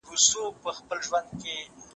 مثبت معلومات د ژوند کیفیت لوړوي.